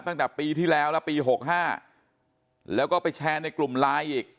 ตั้งแต่ปีที่แล้วแล้วปี๖๕แล้วก็ไปแชร์ในกลุ่มไลน์อีก